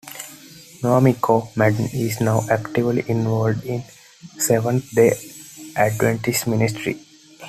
Nwamiko Madden is now actively involved in Seventh-day Adventist ministry.